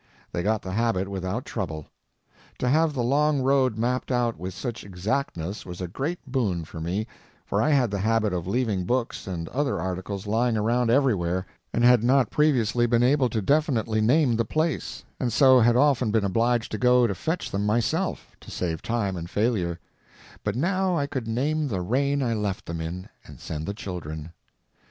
They got the habit without trouble. To have the long road mapped out with such exactness was a great boon for me, for I had the habit of leaving books and other articles lying around everywhere, and had not previously been able to definitely name the place, and so had often been obliged to go to fetch them myself, to save time and failure; but now I could name the reign I left them in, and send the children.